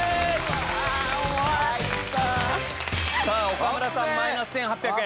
岡村さんマイナス１８００円。